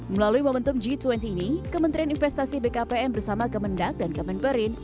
melalui momentum g dua puluh ini kementerian investasi bkpm bersama kemendak dan kemenperin